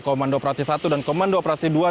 komando operasi satu dan komando operasi dua